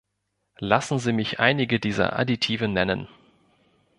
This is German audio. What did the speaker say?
Lassen Sie mich einige dieser Additive nennen.